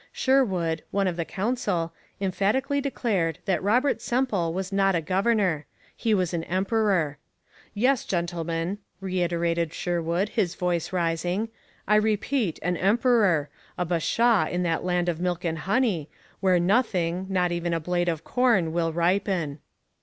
Sherwood, one of the counsel, emphatically declared that Robert Semple was not a governor; he was an emperor. 'Yes, gentlemen,' reiterated Sherwood, his voice rising, 'I repeat, an emperor a bashaw in that land of milk and honey, where nothing, not even a blade of corn, will ripen.'